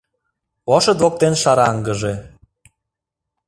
Ошыт воктен шараҥгыже